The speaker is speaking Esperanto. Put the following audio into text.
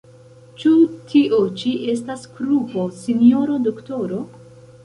Ĉu tio ĉi estas krupo, sinjoro doktoro?